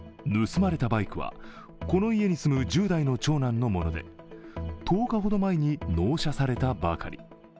盗まれたバイクはこの家に住む１０代の長男のもので１０日ほど前に納車されたばかり。